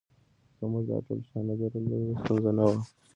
که موږ دا ټول شیان نه درلودل ستونزه نه وه